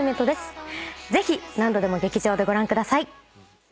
ぜひ何度でも劇場でご覧ください。